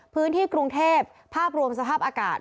พื้นที่กรุงเทพภาพรวมสภาพอากาศ